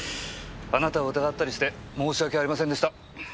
あなたを疑ったりして申し訳ありませんでした。